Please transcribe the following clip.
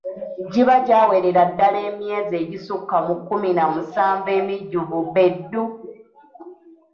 Giba gyawerera ddala emyezi egissuka mu kkumi na musanvu emijjuvu be ddu!